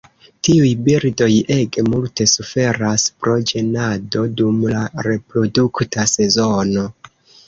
Tiuj birdoj ege multe suferas pro ĝenado dum la reprodukta sezono.